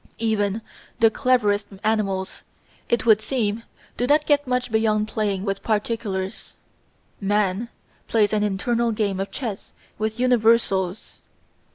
Even the cleverest animals, it would seem, do not get much beyond playing with "particulars"; man plays an internal game of chess with "universals."